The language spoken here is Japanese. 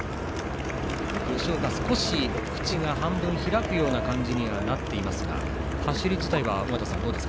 吉岡、少し口が半分開くような感じにはなっていますが走り自体は、尾方さんどうですか。